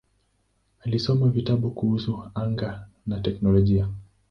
Alisoma vitabu kuhusu anga-nje na teknolojia.